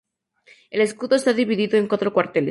El escudo está dividido en cuatro cuarteles.